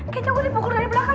kayaknya gue dipukul dari belakang